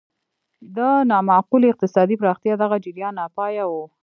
د نامعقولې اقتصادي پراختیا دغه جریان ناپایه و.